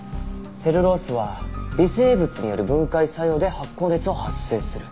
セルロースは微生物による分解作用で発酵熱を発生する。